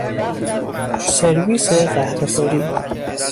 سرویس قهوهخوری